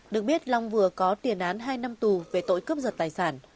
được biết long vừa có tiền án hai năm tù về tội cướp giật tài sản